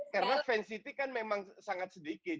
karena fans siti kan memang sangat sedikit